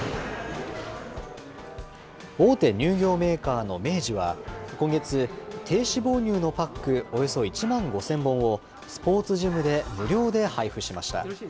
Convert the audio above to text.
大手乳業メーカーの明治は今月、低脂肪乳のパックおよそ１万５０００本をスポーツジムで無料で配布しました。